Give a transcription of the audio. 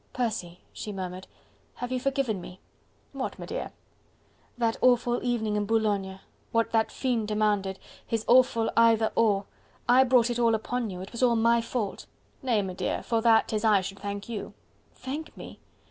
"Percy!" she murmured, "have you forgiven me?" "What, m'dear?" "That awful evening in Boulogne... what that fiend demanded... his awful 'either or'... I brought it all upon you... it was all my fault." "Nay, my dear, for that 'tis I should thank you..." "Thank me?"